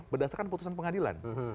berdasarkan putusan pengadilan